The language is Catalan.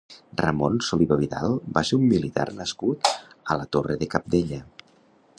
Ramon Soliva Vidal va ser un militar nascut a la Torre de Cabdella.